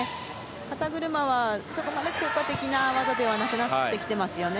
肩車は、そこまで効果的な技ではなくなってきていますね。